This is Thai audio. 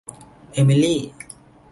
เอมิลี่